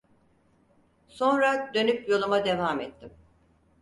Sonra dönüp yoluma devam ettim.